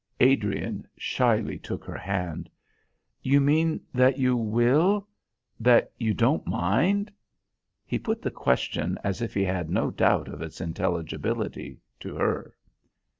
Adrian shyly took her hand. "You mean that you will that you don't mind?" He put the question as if he had no doubt of its intelligibility to her.